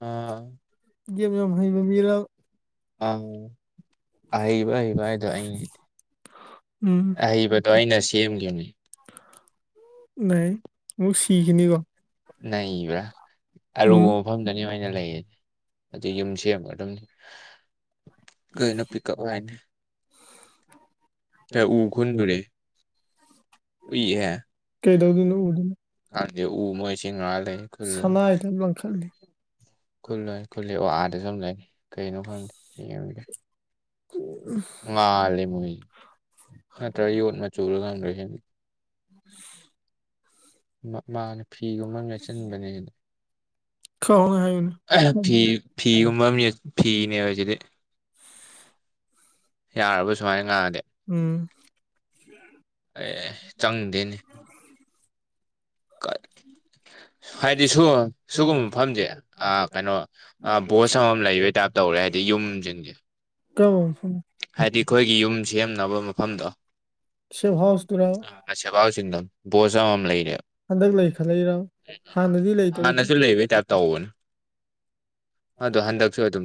ꯑꯥ ꯑ ꯑꯍꯩꯕ ꯍꯩꯕ ꯍꯥꯏꯗꯣ ꯑꯩꯅꯤ ꯑꯍꯩꯕꯗꯣ ꯑꯩꯅ ꯁꯦꯝꯒꯤꯝꯅꯤ ꯅꯩ ꯑꯃꯨꯛ ꯁꯤꯒꯤꯅꯤꯒꯣ [unintelligible] ꯀꯩꯅꯣ ꯄꯤꯀꯞ ꯍꯥꯏꯅꯦ ꯀꯥ ꯎ ꯈꯨꯟꯗꫭꯔꯦ ꯑꯩ ꯎꯏꯍꯦ ꯀꯩꯗꯧꯗꯣꯏꯅꯣ ꯎꯗꯨꯅ ꯀꯟꯗꯦ ꯎ ꯃꯣꯏ ꯁꯤ ꯉꯥꯏ ꯂꯩ ꯈꯨꯜꯂꯣ ꯈꯨꯜꯂꯣꯏ ꯈꯨꯜꯂꯤ ꯑꯣ ꯑꯥꯗ ꯁꯨ ꯑꯃ ꯂꯩ ꯀꯩꯅꯣ ꯈꯪꯗꯦ ꯌꯦꯡꯉꯨꯒꯤꯒꯦ [unintelligible] [unintelligible] [unintelligible] [unintelligible] [inaudible] ꯃꯥ ꯃꯥꯅꯦ ꯐꯤꯒꯨꯝꯕꯝ ꯌꯦꯠꯁꯟꯕꯅꯦ ꯐꯤ ꯐꯤꯒꯨꯝꯕꯝ ꯌꯦꯠ ꯐꯤꯅꯦꯕ ꯁꯤꯗꯤ ꯌꯥꯔꯕ ꯁꯨꯃꯥꯏ ꯉꯥꯡꯉꯗꯤ ꯎꯝ ꯑꯦ ꯆꯪꯗꯦꯅꯦ [inaudible] ꯍꯥꯏꯗꯤ ꯁꯨ ꯁꯨꯒꯨꯝꯕ ꯃꯐꯝꯁꯦ ꯑꯥ ꯀꯩꯅꯣ ꯑꯥ ꯕꯣꯁ ꯑꯃꯝ ꯂꯩꯕꯩ ꯇꯥꯏꯞ ꯇꯧꯔꯦ ꯍꯥꯏꯗꯤ ꯌꯨꯝꯁꯤꯡꯁꯦ ꯍꯥꯏꯗꯤ ꯑꯩꯈꯣꯏꯒꯤ ꯌꯨꯝ ꯁꯦꯝꯅꯕ ꯃꯐꯝꯗꯣ ꯁꯤ ꯍꯥꯎꯁ ꯇꯨꯔ ꯁꯦꯕꯥꯥꯎ ꯆꯤꯡꯗ ꯕꯣꯖ ꯑꯃꯃꯝ ꯂꯩꯔꯦ ꯉꯟꯅꯁꯨ ꯂꯩꯕꯩ ꯇꯞ ꯇꯧꯕꯅꯦ ꯑꯗꯣ ꯍꯟꯗꯛꯁꯨ ꯑꯗꯨꯝ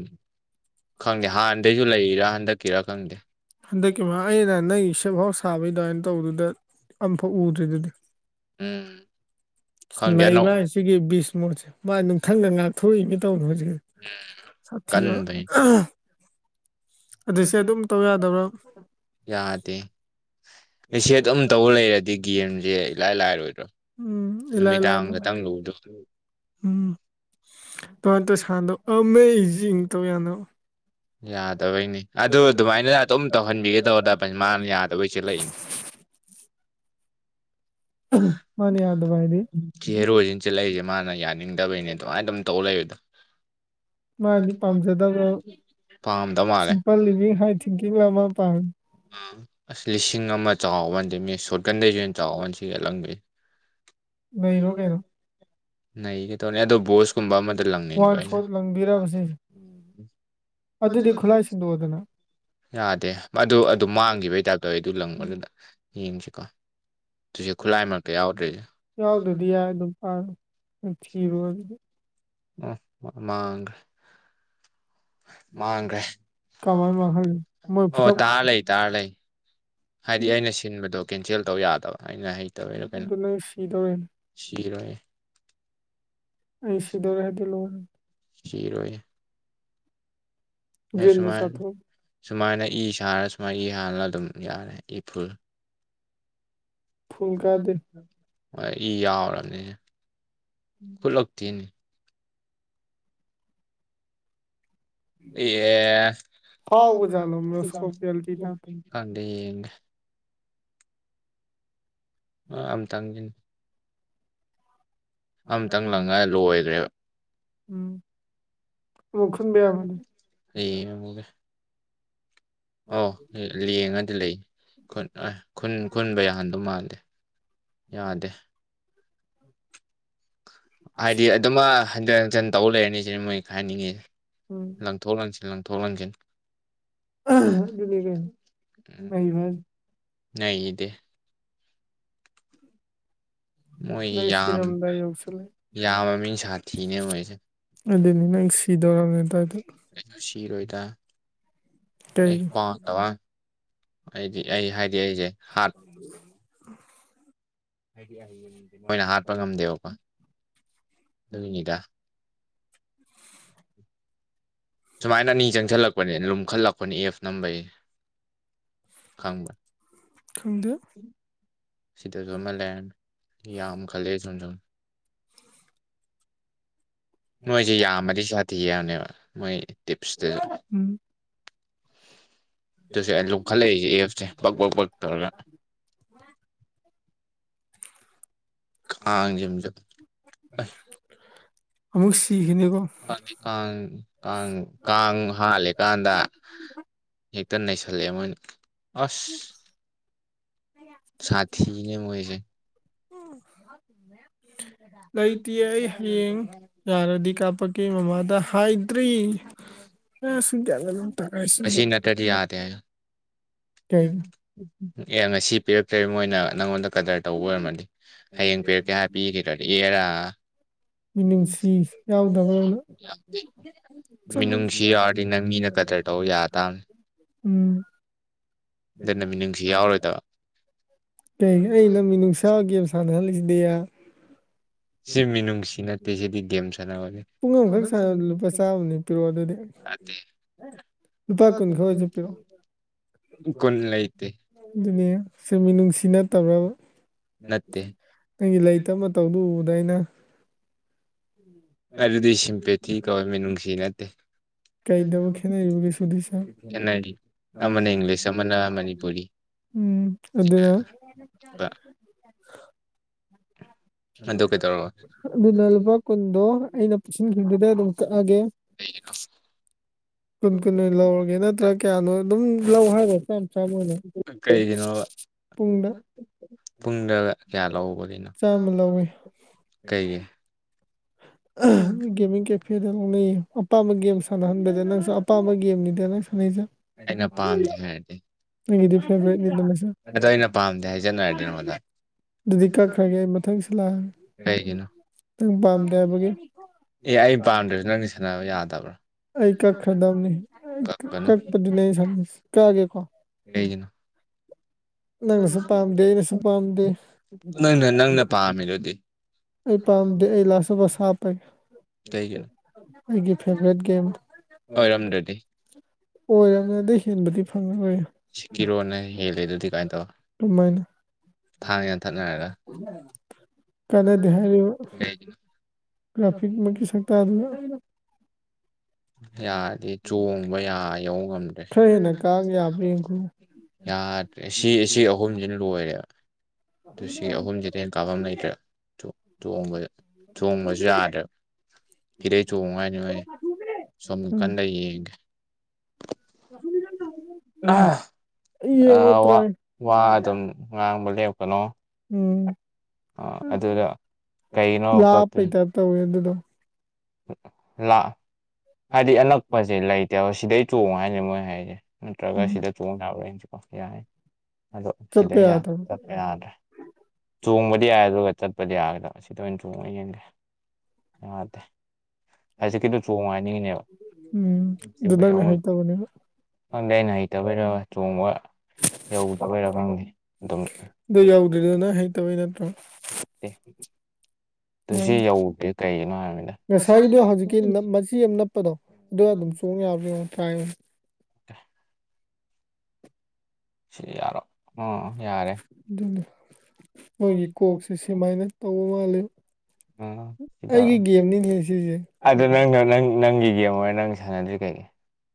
ꯍꯨꯟꯗꯛꯀꯤ [unintelligible] ꯅꯪꯒꯤ ꯁꯤꯝ ꯍꯧꯁ ꯊꯥꯕꯩ ꯑꯗꯨꯃꯥꯏꯅ ꯇꯧꯕꯗꯨꯗ ꯑꯝꯐꯥꯎ ꯎꯗ꯭ꯔꯤ ꯑꯗꯨꯗꯤ ꯎꯝ ꯏꯁ ꯏꯃꯩꯃꯥꯏ ꯁꯤꯒꯤ ꯕꯤꯁ ꯃꯣꯠꯁꯦ ꯃꯥ ꯅꯨꯡꯊꯪꯒ ꯉꯥꯛꯊꯣꯛꯏꯅꯦ ꯇꯧꯅꯣ ꯍꯧꯖꯤꯛ ꯎꯝ ꯁꯥꯊꯤꯕ ꯑꯗꯨꯏꯁꯦ ꯑꯗꯨꯝ ꯇꯧ ꯌꯥꯗꯕ꯭ꯔꯥ ꯌꯥꯗꯦ ꯑꯩ ꯁꯦ ꯑꯗꯨꯝ ꯇꯧꯕ ꯂꯩꯔꯗꯤ ꯒꯦꯝꯁꯦ ꯏꯂꯥꯏ ꯂꯥꯏꯔꯣꯏꯗ꯭ꯔꯣ ꯎꯝ ꯏꯂꯥꯏ ꯂꯥꯏꯅ ꯎꯝ [unintelligible] ꯁꯥꯟꯗ ꯑꯃꯦꯖꯤꯡ ꯇꯧ ꯌꯥꯅꯣ ꯌꯥꯗꯕꯩꯅꯤ ꯑꯗꯨ ꯑꯗꯨꯃꯥꯏꯅ ꯑꯗꯨꯝ ꯇꯧꯍꯟꯕꯤꯒꯦ ꯇꯧꯕꯗ ꯃꯥꯅ ꯌꯥꯗꯕꯩ ꯆꯂꯛꯏꯟ [unintelligible] ꯆꯠꯂꯛꯏꯁꯦ ꯃꯥꯅ ꯌꯥꯅꯤꯡꯗꯕꯩꯅꯦ ꯑꯗꯨꯃꯥꯏꯅ ꯑꯗꯨꯝ ꯇꯧ ꯂꯩꯕꯗꯣ ꯃꯥꯗꯤ ꯄꯥꯝꯖꯗꯕ꯭ꯔꯣ ꯁꯤꯝꯄꯜ ꯂꯤꯚꯡ ꯍꯥꯏ ꯊꯤꯡꯀꯤꯡ ꯑꯃ ꯄꯥꯝ ꯎꯝ ꯑꯁ ꯂꯤꯁꯤꯡ ꯑꯃ ꯆꯥꯎꯕ [unintelligible] ꯆꯥꯎꯍꯟꯁꯤ ꯑꯦꯂꯪꯕꯤ ꯅꯒ ꯇꯧꯅꯤ ꯑꯗꯣ ꯕꯣꯁꯀꯨꯝꯕ ꯑꯃꯗ ꯂꯪꯅꯤꯡꯕ ꯑꯩꯁꯦ ꯌꯥꯗꯦ ꯑꯗꯨ ꯑꯗꯨ ꯃꯥꯡꯒꯤꯕꯩ ꯇꯥꯏꯞ [unintelligible] ꯂꯪꯕꯗꯨꯗ ꯌꯦꯡꯁꯤꯀꯣ ꯌꯥꯎꯗꯗꯤ ꯑꯗꯨꯝꯄꯔ ꯎꯝ ꯊꯤꯔꯨꯔꯣ ꯑꯗꯨꯗꯤ ꯃꯥꯥꯡꯒꯔꯦ ꯃꯥꯡꯈ꯭ꯔꯦ ꯑꯣ ꯇꯥꯔ ꯂꯩ ꯇꯥꯔ ꯂꯩ ꯍꯥꯏꯗꯤ ꯑꯩꯅ ꯁꯤꯟꯕꯗꯣ ꯀꯦꯟꯁꯦꯜ ꯇꯧ ꯌꯥꯗꯕ ꯑꯩꯅ ꯍꯩꯇꯕꯔꯣ ꯀꯩꯅꯣ ꯁꯤꯔꯣꯏ ꯆꯤꯔꯣꯏ ꯁꯨꯃꯥꯏ ꯁꯨꯃꯥꯏꯅ ꯏ ꯁꯥꯔ ꯁꯨꯃꯥꯏꯅ ꯏ ꯍꯥꯟꯅ ꯑꯗꯨꯝ ꯌꯥꯔꯦ ꯏ ꯐꯨꯜ ꯍꯣꯏ ꯏ ꯌꯥꯎꯔꯕꯅꯤ ꯈꯨꯠꯂꯛꯇꯦꯅꯤ [unintelligible] ꯑ ꯑꯝꯇꯪꯒꯤꯅꯤ ꯑꯃꯇꯪ ꯂꯪꯉꯥꯏ ꯂꯣꯏꯔꯦꯕ [inaudible] [unintelligible] ꯑꯣ ꯂꯡꯉꯗꯤ ꯂꯩ ꯈꯨ ꯈꯨꯟ ꯈꯨꯟꯕ ꯌꯥꯍꯟꯗꯧ ꯃꯥꯜꯂꯦ ꯌꯥꯗꯦ [unintelligible] ꯍꯥꯏꯗꯤ ꯑꯗꯨꯃ ꯍꯟꯖꯤꯟ ꯍꯟꯆꯟ ꯇꯧꯕ ꯂꯩꯔꯅꯤ ꯁꯤꯅꯤ ꯃꯣꯏ ꯍꯥꯏꯅꯤꯡꯉꯤꯁꯤ ꯂꯪꯊꯣꯛ ꯂꯪꯁꯤꯟ ꯂꯪꯊꯣꯛ ꯂꯪꯁꯤꯟ ꯅ ꯏꯗꯦ ꯃꯣꯏ ꯌꯥꯝ ꯌꯥꯝꯕ ꯃꯤꯡ ꯁꯥꯊꯤꯅꯦ ꯃꯣꯏꯁꯦ ꯑꯗꯨꯅꯤ ꯅꯪ ꯁꯤꯗꯧꯔꯝꯅꯦꯗ ꯑꯗꯨ ꯀꯁꯨ ꯁꯤꯔꯣꯏꯗ ꯑꯩ ꯄꯥ ꯇꯕ ꯍꯥꯏꯗꯤ ꯍꯥꯏ [unintelligible] ꯃꯣꯏꯅ ꯍꯥꯠꯄ ꯉꯝꯗꯦꯕꯀꯣ ꯑꯗꯨꯒꯤꯅꯤꯗ [inaudible] ꯁꯨꯃꯥꯏꯅ ꯑꯅꯤ ꯆꯪꯁꯤꯜꯂꯛꯄꯅꯦ ꯂꯨꯝꯈꯠꯂꯛꯄꯅꯦ ꯑꯦꯐ ꯅꯝꯕꯩꯒꯤ ꯈꯪꯕ ꯁꯤꯗꯁꯨ ꯑꯃꯥ ꯂꯩꯔꯅꯤ ꯌꯥꯝ ꯈꯜꯂꯦ ꯁꯨꯝ ꯁꯨꯝ ꯃꯣꯏꯁꯦ ꯌꯥꯝꯃꯗꯤ ꯁꯥꯊꯤ ꯌꯥꯝꯅꯦꯕ ꯃꯣꯏ ꯇꯤꯞꯁꯇꯨ [unintelligible] ꯑꯩꯅ ꯂꯨꯝꯈꯠꯂꯛꯏꯁꯦ ꯑꯦꯞꯁꯦ ꯄꯛ ꯄꯛ ꯄꯛ ꯇꯧꯔꯒ ꯍ [inaudible] ꯀꯥꯡꯖ ꯀꯥꯡ ꯀꯥꯡ ꯀꯥꯡ ꯍꯥꯂꯦꯀꯥꯟꯗ ꯍꯦꯛꯇ ꯅꯩꯁꯜꯂꯛꯑꯦ ꯃꯣꯏꯅ ꯑꯁ ꯎꯝ ꯁꯥꯊꯅꯦ ꯃꯣꯏꯁꯦ ꯍꯥ ꯂꯩꯇꯦ ꯑꯩ ꯍꯌꯦꯡ ꯌꯥꯔꯗꯤ ꯀꯥꯞꯄꯛꯀꯦ ꯃꯃꯥꯗ ꯍꯥꯏ ꯁ꯭ꯔꯤ ꯑ ꯁ ꯀꯗ ꯑꯁꯤ ꯅꯠꯇ꯭ꯔꯗꯤ ꯌꯥꯗꯦ ꯍꯥꯏ ꯑꯦ ꯉꯁꯤ ꯄꯤꯔꯛꯇꯦꯔꯤꯕ ꯃꯣꯏꯅ ꯅꯪꯉꯣꯟꯗ ꯀꯗꯔ ꯇꯧꯕ ꯑꯣꯏꯔꯝꯃꯗꯤ ꯍꯌꯦꯡ ꯄꯦꯔꯛꯀꯦ ꯍꯥꯏ ꯄꯤꯈꯤꯗ꯭ꯔꯗꯤ ꯑꯦꯔꯥ ꯎꯝ [unintelligible] ꯃꯤꯅꯨꯡꯁꯤ ꯌꯥꯎꯔꯗꯤ ꯅꯪ ꯃꯤꯅ ꯀꯗꯔ ꯇꯧ ꯌꯥꯇꯝꯅꯤ ꯎꯝ ꯊꯩ ꯅꯨꯡꯁꯥꯒꯦꯝ ꯁꯥꯟꯅꯍꯜꯂꯤꯁꯤꯗꯦꯌꯥ ꯁꯤ ꯃꯤꯅꯨꯡꯁꯤ ꯅꯠꯇꯦ ꯁꯤꯗꯤ ꯒꯦꯝ ꯁꯥꯟꯅꯒꯅꯤ ꯄꯨꯡ ꯑꯃꯈꯛ ꯁꯅꯕꯗꯥ ꯂꯨꯄꯥ ꯆꯥꯝꯃꯅꯤ ꯄꯤꯔꯛꯑꯣ ꯑꯗꯨꯗꯤ ꯂꯨꯄꯥ ꯀꯨꯟꯈ ꯑꯣꯏꯁꯨ ꯄꯤꯔꯛꯑꯣ ꯀꯨꯜ ꯂꯥꯏꯇꯩ ꯑꯗꯨꯅꯦ ꯁꯤꯃꯤꯅꯨꯡꯁꯤ ꯅꯠꯇꯕ꯭ꯔꯥ ꯅꯪꯒꯤ ꯂꯩꯇ ꯇꯧꯁꯨ ꯎꯕꯗ ꯑꯩꯅ ꯑꯗꯨꯗꯤ ꯁꯤꯝꯄꯦꯇꯤ ꯀꯧꯋ ꯃꯤꯅꯨꯡꯁꯤ ꯅꯠꯇꯦ ꯀꯩꯗꯕꯨ ꯈꯦꯅꯔꯤꯕ ꯁꯨꯗꯤꯔ ꯁꯍꯦꯕ ꯑꯃꯅ ꯏꯪꯂꯤꯁ ꯑꯃꯅ ꯃꯅꯤꯄꯨꯔꯤ ꯎꯝ ꯑꯗꯨꯅ ꯑꯗꯨꯅ ꯂꯨꯄꯥ ꯀꯨꯟꯗꯣ ꯑꯩꯅ ꯄꯨꯁꯤꯟꯈꯤꯕꯗꯨꯗ ꯑꯗꯨꯝ ꯀꯛꯑꯒꯦ ꯀꯩꯒꯤꯅꯣ ꯀꯨꯟ ꯀꯨꯟ ꯑꯣꯏ ꯂꯧꯔꯒꯦ ꯅꯠꯇ꯭ꯔꯥ ꯀꯌꯥꯅꯣ ꯑꯗꯨꯝ ꯂꯧ ꯍꯥꯏꯔꯣ ꯆꯥꯝꯃ ꯍꯜꯂꯛꯑꯣ ꯄꯨꯡꯗ ꯆꯥꯝꯃ ꯂꯧꯋꯦ ꯒꯦꯃꯤꯡ ꯀꯦꯐꯦꯗ ꯂꯧꯅꯩꯌꯦ ꯑꯄꯥꯝꯕ ꯒꯦꯝ ꯁꯥꯟꯅꯍꯟꯕꯗ ꯅꯪꯁꯨ ꯑꯄꯥꯝꯕ ꯒꯦꯝꯅꯤꯗ ꯅꯪ ꯁꯥꯟꯅꯩꯖꯦ ꯑꯩꯅ ꯄꯥꯝꯗꯦ ꯍꯥꯏꯔꯗꯤ ꯑꯗꯣ ꯑꯩꯅ ꯄꯥꯝꯗꯦ ꯍꯥꯏꯖꯤꯟꯅꯔꯗꯤ ꯅꯪꯉꯣꯟꯗ ꯗꯨꯗꯤ ꯀꯛꯈ꯭ꯔꯒꯦ ꯑꯩ ꯃꯊꯪꯁꯨ ꯂꯥꯛꯑꯔꯣꯏ ꯅꯪ ꯄꯥꯝꯗꯦ ꯍꯥꯏꯕꯒꯤ ꯁꯥꯟꯅꯕ ꯌꯥꯗꯕ꯭ꯔꯥ ꯑꯩ ꯀꯛꯈ꯭ꯔꯗꯝꯅꯤ [unintelligible] ꯀꯛꯑꯒꯦꯀꯣ ꯀꯩꯒꯤꯅꯣ ꯅꯪꯅ ꯅꯪꯅ ꯄꯥꯝꯃꯤꯗꯨꯗꯤ ꯑꯩ ꯄꯥꯝꯗꯦ ꯑꯩ [unintelligible] ꯍꯥꯞꯄꯒꯦ ꯑꯩꯒꯤ ꯐꯦꯚꯔꯥꯏꯠ ꯒꯦꯝꯗꯣ ꯑꯣꯏꯔꯝꯅꯦ ꯑꯗꯩ ꯍꯦꯟꯕꯗꯤ ꯐꯪꯉꯔꯣꯏꯌꯦ ꯀꯃꯥꯏꯅ ꯀꯥꯟꯅꯗꯦ ꯍꯥꯏꯔꯤꯕ ꯒ꯭ꯔꯥꯐꯤꯛꯃꯛꯀꯤ ꯁꯛꯇꯥꯗꯨꯒ ꯌꯥꯗꯦ ꯆꯣꯡꯕ ꯌꯥ ꯌꯧ ꯉꯝꯗ꯭ꯔꯦ ꯌꯥꯗ꯭ꯔꯦ ꯁꯤ ꯁꯤ ꯑꯍꯨꯝꯁꯤꯅ ꯂꯣꯏꯔꯦꯕ ꯇꯨ ꯁꯤ ꯑꯍꯨꯝꯁꯤꯗꯩ ꯍꯦꯟ ꯀꯥꯕꯝ ꯂꯩꯇ꯭ꯔꯦꯕ ꯇꯣ ꯇꯣꯡꯕ ꯆꯣꯡꯕꯖꯨ ꯌꯥꯗ꯭ꯔꯦꯕ ꯁꯤꯗꯩ ꯆꯣꯡꯉꯨ ꯍꯥꯏꯅꯦ ꯃꯥꯏꯖꯦ ꯑꯁꯣꯝ ꯅꯥꯀꯟꯗꯩ ꯌꯦꯡꯒꯦ ꯑ ꯋꯥ ꯋꯥ ꯑꯗꯨꯝ ꯉꯥꯡꯕ ꯂꯦꯞꯀꯅꯣ ꯎꯝ ꯂꯥꯞꯄꯩ ꯇꯥꯏꯞ ꯇꯧꯋꯦ ꯑꯗꯨꯗꯣ ꯂꯥ ꯍꯥꯏꯗꯤ ꯑꯅꯛꯄꯖꯦ ꯂꯩꯇꯦꯕ ꯁꯤꯗꯩ ꯆꯣꯡꯉꯣ ꯍꯥꯏꯅꯦ ꯃꯣꯏ ꯍꯥꯏꯁꯦ ꯅꯠꯇ꯭ꯔꯒ ꯁꯤꯗ ꯆꯣꯡ ꯌꯥꯕ꯭ꯔꯥ ꯌꯦꯡꯁꯤꯀꯣ ꯌꯥꯏ ꯑꯗꯣ ꯁꯤꯗꯩ ꯍꯦꯟ ꯆꯠꯄ ꯌꯥꯗ꯭ꯔꯦ ꯆꯣꯡꯕꯗꯤ ꯌꯥꯏ ꯑꯗꯨꯒ ꯆꯠꯄꯗꯤ ꯌꯥꯗꯕ ꯁꯤꯗ ꯑꯣꯏꯅ ꯆꯣꯡꯉ ꯌꯦꯡꯒꯦ ꯌꯥꯗꯦ ꯍꯖꯤꯛꯀꯤꯗꯣ ꯆꯣꯡꯉꯣ ꯍꯥꯏꯅꯤꯡꯉꯤꯅꯦꯕ [unintelligible] ꯈꯪꯗꯦ ꯑꯩꯅ ꯍꯩꯇꯕꯩꯔꯥ ꯆꯣꯡꯕ ꯌꯧꯕꯗꯕꯩꯔ ꯈꯪꯗꯦ ꯑꯗꯨꯝ ꯇꯧꯏ ꯅꯠꯇ꯭ꯔꯣ ꯇꯦ ꯉꯁꯥꯏꯗꯣ ꯍꯧꯖꯤꯛꯀꯤ ꯅꯞ ꯃꯆꯤ ꯑꯃ ꯅꯞꯄꯗꯣ ꯑꯗꯨꯒ ꯑꯗꯨꯝ ꯆꯣꯡ ꯌꯥꯕ꯭ꯔꯥ ꯌꯦꯡꯉꯨ ꯀꯥꯏ [unintelligible] ꯁꯤꯔꯦ ꯌꯥꯔꯣ ꯎꯝ ꯌꯥꯔꯦ ꯑꯗꯨꯅꯤ ꯃꯣꯏꯒꯤ ꯀꯣꯛꯁꯦ ꯁꯤꯃꯥꯏꯅ ꯇꯧꯕ ꯃꯥꯜꯂꯦꯕ ꯑꯩꯒꯤ ꯒꯦꯝꯅꯤꯅꯦ ꯁꯤꯖꯦ ꯑꯗꯣ ꯅꯪꯅ ꯅꯪ ꯅꯪꯒꯤ ꯒꯦꯝ ꯑꯣꯏꯔ ꯅꯪ ꯁꯥꯟꯅꯗ꯭ꯔꯤ ꯀꯩꯒꯤ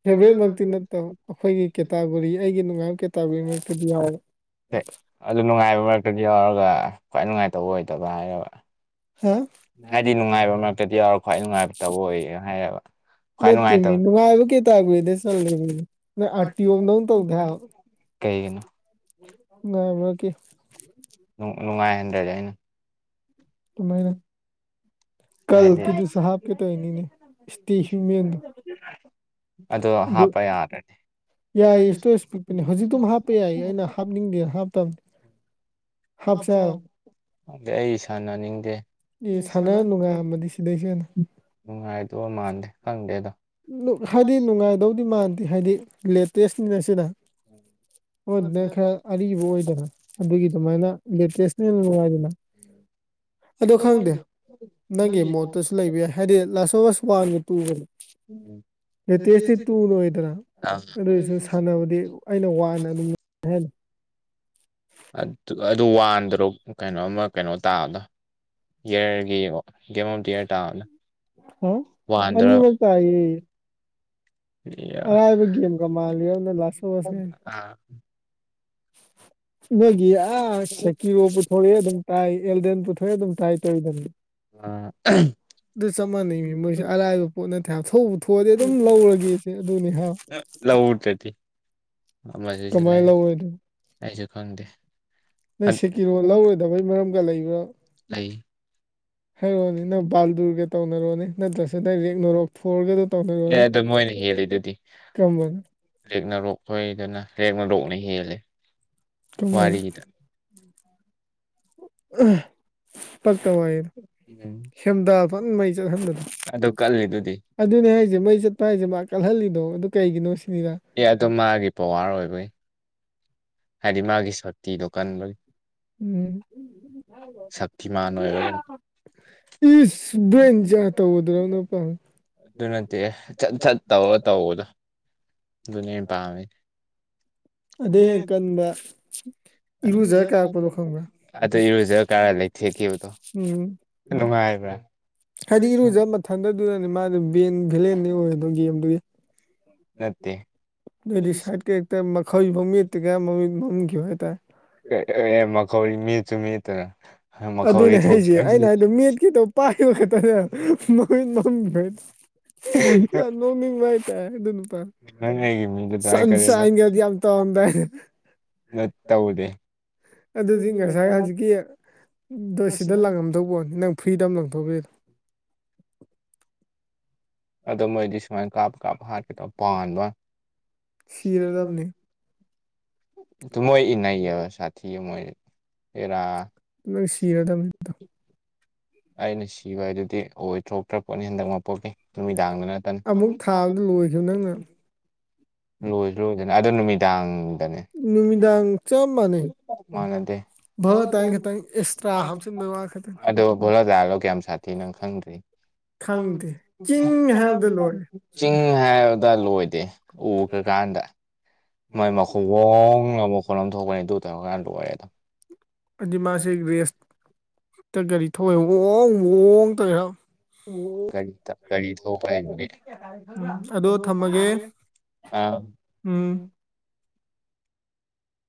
ꯐꯦꯚꯣꯔꯥꯏꯠꯃꯛꯇꯤ ꯅꯠꯇꯕ ꯑꯈꯣꯏꯒꯤ ꯀꯦꯇꯥꯒꯣꯔꯤ ꯑꯩꯒꯤ ꯅꯨꯡꯉꯥꯏꯕ ꯀꯦꯇꯥꯒꯣꯔꯤ ꯃꯔꯛꯇꯗꯤ ꯌꯥꯎꯋꯦ ꯑꯦ ꯑꯗꯨ ꯅꯨꯡꯉꯥꯏꯕ ꯃꯔꯛꯇꯗꯤ ꯌꯥꯎꯔꯒ ꯈ꯭ꯋꯥꯏ ꯅꯨꯡꯉꯥꯏꯇꯕ ꯑꯣꯏꯗꯕ ꯍꯥꯏꯔꯕ ꯍꯥ ꯍꯥꯏꯗꯤ ꯅꯨꯡꯉꯥꯏꯕ ꯃꯔꯛꯇꯗꯤ ꯌꯥꯎꯔ ꯈ꯭ꯋꯥꯏ ꯅꯨꯡꯉꯥꯏꯇꯕ ꯑꯣꯏꯌꯦ ꯍꯥꯏꯔꯕ ꯅꯠꯇꯦ ꯃꯤ ꯅꯨꯡꯉꯥꯏꯕ ꯀꯩꯇꯥꯒꯣꯔꯤꯗ ꯆꯜꯂꯦꯃꯤ ꯅꯣꯏ ꯑꯥꯔꯇꯤꯑꯣꯝꯗꯧ ꯇꯧꯗꯦ ꯍꯥꯏꯕ ꯀꯩꯒꯤꯅꯣ ꯉꯥꯏꯕꯒꯤ ꯅꯨꯡ ꯅꯨꯡꯉꯥꯏꯍꯟꯗ꯭ꯔꯗꯤ ꯑꯩꯅ ꯀꯃꯥꯏꯅ ꯀꯜ ꯀꯤꯗꯨꯁꯨ ꯍꯥꯞꯀꯦ ꯇꯧꯋꯤꯅꯤꯅꯦ ꯑꯗꯣ ꯍꯥꯞꯄ ꯌꯥꯗ꯭ꯔꯗꯤ ꯌꯥꯏꯌꯦ ꯏꯁꯇꯣꯔꯦꯁ ꯄꯤꯛꯄꯅꯦ ꯍꯧꯖꯤꯛꯑꯗꯨꯝ ꯍꯥꯞꯄ ꯌꯥꯏꯌꯦ ꯑꯩꯅ ꯍꯥꯞꯅꯤꯡꯗꯦꯅ ꯍꯥꯞꯇꯕꯅꯦ꯫ ꯍꯞꯁꯦ ꯍꯥꯢꯔꯣ? ꯈꯪꯗꯦ ꯑꯩ ꯁꯥꯟꯅꯅꯤꯡꯗꯦ꯫ ꯑꯦ ꯁꯥꯟꯅ ꯅꯨꯡꯉꯥꯔꯝꯗꯤ ꯁꯤꯗꯩ ꯍꯦꯟꯅ꯫ ꯅꯨꯡꯉꯥꯏꯗꯨꯕ ꯃꯥꯟꯗꯦ ꯈꯪꯗꯦꯗꯣ꯫ ꯍꯥꯏꯗꯤ ꯅꯨꯡꯉꯥꯏꯗꯨꯕꯗꯤ ꯃꯥꯟꯗꯦ ꯍꯥꯏꯗꯤ ꯂꯦꯇꯦꯁꯅꯤꯅ ꯁꯤꯅ꯫ ꯑꯗꯨꯅ ꯈꯔ ꯑꯔꯤꯕ ꯑꯣꯏꯗꯅ ꯑꯗꯨꯒꯤ ꯑꯗꯨꯃꯥꯏꯅ ꯂꯦꯇꯦꯁꯅ ꯍꯦꯟꯅꯥ ꯅꯨꯡꯉꯥꯏꯗꯅ꯫ ꯑꯗꯣ ꯈꯪꯗꯦ ꯅꯪꯒꯤ ꯃꯣꯠꯇꯁꯨ ꯂꯩꯕ ꯌꯥꯏ ꯍꯥꯏꯗꯤ ꯂꯥꯁ ꯋꯥꯟꯒ ꯇꯨꯒꯅꯤ꯫ ꯎꯝ ꯂꯦꯇꯦꯁꯇꯤ ꯇꯨꯅ ꯑꯣꯏꯗꯅ ꯑꯗꯨ ꯑꯣꯏꯔꯁꯨ ꯁꯥꯟꯅꯕꯗꯤ ꯑꯩꯅ ꯋꯥꯅ ꯑꯗꯨꯝ ꯀꯩ ꯍꯥꯢꯅꯣ꯫ ꯑꯗꯨ ꯋꯥꯟꯗꯔꯣ ꯀꯩꯅꯣ ꯑꯃ ꯀꯩꯅꯣ ꯇꯥꯕꯗꯣ? ꯌ꯭ꯥꯔꯒꯤ ꯒꯦꯝ ꯑꯣꯐ ꯗ ꯌ꯭ꯥꯔ ꯇꯥꯕꯗꯣ꯫ ꯋꯥꯟꯗꯔꯕ? ꯑꯥ ꯅꯣꯏꯒꯤ ꯑꯥ ꯁꯦꯀꯤꯔꯣ ꯄꯨꯊꯣꯔꯛꯑꯦ ꯑꯗꯨꯝ ꯇꯥꯏ ꯑꯦꯜꯗꯦꯟ ꯄꯨꯊꯣꯔꯛꯑꯦ ꯑꯗꯨꯝ꯫ INAUDIBLE ꯑꯥ ꯑꯗꯨ ꯆꯞ ꯃꯥꯟꯅꯩꯃꯦ ꯃꯣꯏꯁꯦ ꯑꯔꯥꯏꯕ ꯄꯣꯠ ꯅꯠꯇꯦ ꯍꯥꯏꯕꯥ ꯊꯦꯛꯄꯨ ꯊꯣꯛꯑꯗꯤ ꯑꯗꯨꯝ ꯂꯧꯔꯒꯦꯁꯦ ꯑꯗꯨꯅꯤ ꯍꯥꯏꯕ꯫ ꯑꯥ ꯂꯧꯎꯗꯔꯥꯗꯤ꯫ ꯀꯃꯥꯏꯅ ꯂꯧꯔꯣꯏꯗꯩꯅꯣ꯫ ꯑꯩꯁꯨ ꯈꯪꯗꯦ꯫ ꯅꯪ ꯁꯦꯀꯤꯔꯣ ꯂꯧꯔꯣꯏꯗꯕꯒꯤ ꯃꯔꯝꯒ ꯂꯩꯕ꯭ꯔꯥ? ꯂꯩ꯫ ꯍꯥꯏꯔꯛꯑꯣꯅꯦ ꯅꯪ ꯕꯥꯜꯗꯨꯔꯒ ꯇꯧꯅꯔꯣꯅꯦ꯫ ꯅꯠꯇ꯭ꯔꯁꯨ ꯅꯪ ꯔꯣꯛꯅꯣ ꯊꯣꯔꯒꯗꯨ ꯇꯧꯅꯔꯣꯅꯦ꯫ ꯀꯔꯝꯕꯅꯣ? ꯔꯦꯛꯅꯔꯣꯛ ꯈꯣꯏꯗꯨꯅ ꯔꯦꯛꯅꯔꯣꯛꯅ ꯍꯦꯜꯂꯦ꯫ ꯀꯝꯃꯥꯏꯅ? ꯎ [unintelligible] ꯑꯍ [unintelligible] ꯑꯗꯨ ꯀꯜꯂꯤꯗꯨꯗꯤ꯫ ꯃꯥ ꯀꯜꯍꯜꯂꯤꯗꯣ ꯑꯗꯨ ꯀꯩꯒꯤꯅꯣ ꯁꯤꯅꯤꯗ? ꯑꯦ ꯑꯗꯨ ꯃꯥꯒꯤ ꯄꯋ꯭ꯥꯔ ꯑꯣꯏꯕꯩ꯫ ꯎꯝ ꯏꯁ ꯇꯧꯕ ꯗꯨꯔꯣꯕꯥ ꯅꯪꯅ ꯄꯥꯝꯃꯤꯁꯦ꯫ ꯑꯗꯨ ꯅꯠꯇꯦ ꯍꯦ ꯆꯠ ꯆꯠ ꯇꯧꯔ ꯇꯧꯕꯗꯣ ꯑꯗꯨꯅꯦ ꯑꯩꯅ ꯄꯥꯝꯃꯤꯁꯦ꯫ ꯑꯗꯩ ꯍꯦꯟꯅ ꯀꯟꯕ꯫ ꯏꯔꯨꯖꯔꯥ ꯀꯥꯔꯛꯄꯗꯨ ꯈꯪꯕꯔꯥ? ꯎꯝ ꯍꯥꯏꯗꯤ ꯏꯔꯨꯖꯕ ꯃꯊꯟꯗ ꯑꯗꯨꯅꯦ ꯃꯥꯗꯤ ꯃꯦꯟ ꯚꯤꯂꯤꯌ꯭ꯦꯟꯅꯤ ꯑꯣꯏꯗꯣ ꯒꯦꯝꯗꯨꯒꯤ꯫ ꯑꯗꯨꯗꯤ ꯁꯥꯏꯠ ꯀꯦꯔꯦꯛꯇꯔ ꯃꯥꯈꯧꯔꯤ ꯐꯥꯎ ꯃꯦꯠꯇꯔꯤ ꯃꯤꯝꯈꯤꯕ ꯍꯥꯏꯇꯥꯔꯦ꯫ ꯑꯗꯨꯅꯦ ꯍꯥꯌꯁꯦ ꯑꯩꯅ ꯍꯥꯏꯗꯨ ꯃꯦꯠꯀꯦ ꯇꯧ ꯃꯃꯤꯠ ꯃꯝꯈꯤꯕ ꯍꯥꯏꯇꯥꯔꯦ [unintelligible] ꯅꯣꯛꯅꯤꯡꯕ ꯍꯥꯏꯇꯥꯔꯦ ꯑꯗꯨ ꯅꯨꯄꯥꯗꯨ ꯁꯨꯟꯁꯥꯏꯟ ꯒꯥꯗꯤ ꯌꯥꯝ ꯇꯧꯔꯝꯗꯥꯏ꯫ ꯅꯠ ꯇꯧꯗꯦ ꯑꯗꯨꯗꯤ ꯉꯁꯥꯏ ꯍꯧꯖꯤꯛꯀꯤ ꯗꯨ ꯁꯤꯗ ꯂꯥꯡꯉꯝꯗꯧꯕꫭꯠꯅꯤ ꯅꯪ ꯐ꯭ꯔꯤꯗ ꯑꯃ ꯂꯪꯊꯣꯛꯈ꯭ꯔꯤꯗꯣ ꯑꯗꯨ ꯃꯣꯏꯗꯤ ꯁꯨꯃꯥꯏꯟ ꯀꯥꯞ ꯀꯥꯞ ꯍꯥꯠꯀꯦ ꯇꯧ ꯄꯥꯟꯕ꯭ꯋꯥꯏ ꯁꯤꯔꯗꯝꯅꯤ ꯇꯨ ꯃꯣꯏ ꯏꯟꯅꯩꯑꯕ ꯁꯥꯊꯤ ꯃꯣꯏ ꯑꯦꯔꯥ ꯅꯪ ꯁꯤꯔꯗꯝꯅꯤ ꯑꯩꯅ ꯁꯤꯕ ꯍꯥꯏꯗꯨꯗꯤ ꯑꯣꯏꯊ꯭ꯔꯣꯛꯇ꯭ꯔꯄꯣꯠꯅꯤ ꯍꯟꯗꯛ ꯃꯄꯣꯛꯀꯤ ꯅꯨꯃꯤꯗꯥꯡꯗ ꯅꯠꯇꯅ ꯂꯣꯏꯗꯤ ꯂꯣꯏꯗꯣꯏꯅꯦ ꯑꯗꯨ ꯅꯨꯃꯤꯗꯥꯡꯗꯅꯤ ꯃꯥꯟꯅꯗꯦ [unintelligible] ꯑꯗꯣ ꯚꯣꯂꯣꯇꯥꯏꯜꯗꯣ ꯀꯌꯥꯝ ꯁꯥꯊꯤ ꯅꯪ ꯈꯪꯗ꯭ꯔꯤ [unintelligible] ꯆꯤꯡ ꯍꯥꯏꯕꯗ ꯆꯤꯡ ꯍꯥꯏꯕꯗ ꯂꯣꯏꯗꯦ ꯎꯈ꯭ꯔꯥ ꯀꯥꯟꯗ ꯃꯥꯏ ꯃꯈꯨꯋꯣꯡ [unintelligible] ꯃꯈꫭꯜ ꯑꯃ ꯊꯣꯛꯄꯅꯤ ꯑꯗꯨ ꯇꯧꯔꯀꯥꯟ ꯂꯣꯏꯔꯦꯗꯨꯝ ꯑꯩꯗꯤ ꯃꯥꯖꯦ ꯔꯦꯁꯇ ꯒꯥꯔꯤ ꯊꯧꯋꯦ ꯋꫭꯡ ꯋꫭꯡ ꯇꯧꯏꯔꯕ [unintelligible] ꯒꯥꯔꯤ [unintelligible] ꯑꯥ ꯎꯝ